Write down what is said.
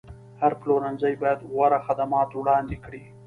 هر پلورنځی باید غوره خدمات وړاندې کړي.